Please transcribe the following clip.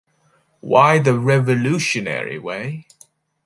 Why the revolutionary way?